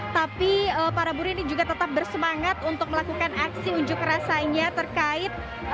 tapi para buruh ini juga tetap bersemangat untuk melakukan aksi unjuk rasanya terkait